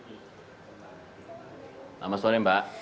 selamat sore mbak